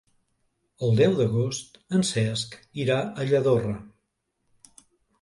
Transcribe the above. El deu d'agost en Cesc irà a Lladorre.